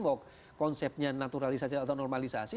bahwa konsepnya naturalisasi atau normalisasi